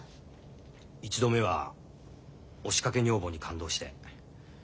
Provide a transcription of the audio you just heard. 一度目は押しかけ女房に感動して。